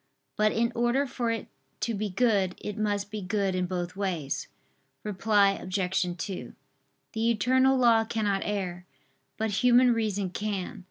But in order for it to be good, it must be good in both ways. Reply Obj. 2: The eternal law cannot err, but human reason can.